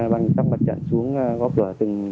bang tám bạch trận xuống góp cửa từng